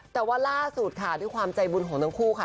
แต่ว่าล่าสุดค่ะด้วยความใจบุญของทั้งคู่ค่ะ